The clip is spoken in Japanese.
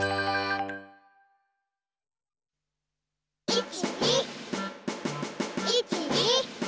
１２１２。